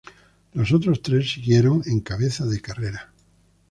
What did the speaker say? Los otros tres siguieron en cabeza de carrera.